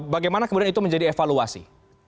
bagaimana kemudian itu menjadi evaluasi